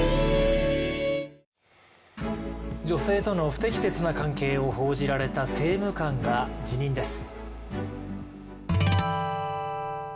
女性との不適切な関係を報じられた政務官が辞任です。